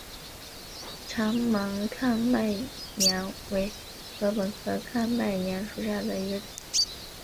长芒看麦娘为禾本科看麦娘属下的一个种。